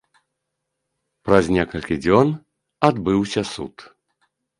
Праз некалькі дзён адбыўся суд.